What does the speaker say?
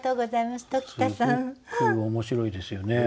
すごく面白いですよね。